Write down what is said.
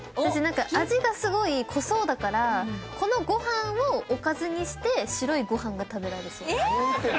味がすごい濃そうだからこのご飯をおかずにして白いご飯が食べられそう。